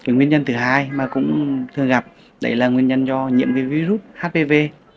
nguyên nhân thứ hai mà cũng thường gặp là nguyên nhân cho nhiễm virus hpv